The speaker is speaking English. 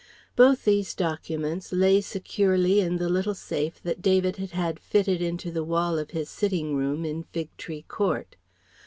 Both these documents lay securely in the little safe that David had had fitted into the wall of his sitting room in Fig Tree Court.